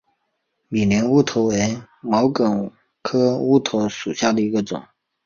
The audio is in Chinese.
米林乌头为毛茛科乌头属下的一个种。